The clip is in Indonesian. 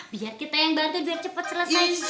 biar kita yang bantu biar cepat selesai